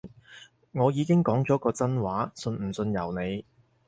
我已經講咗個真話，信唔信由你